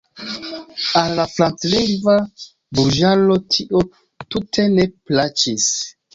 Al la franclingva burĝaro tio tute ne plaĉis.